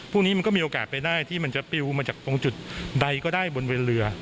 พวกนี้มันก็มีโอกาสไปได้ที่มันจะปิวมาจากตรงจุดใดก็ได้บนเรือ